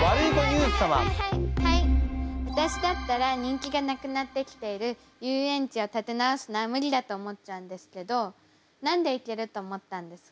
私だったら人気がなくなってきている遊園地を立て直すのは無理だと思っちゃうんですけど何でいけると思ったんですか？